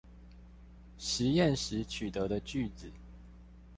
實驗時取得的句子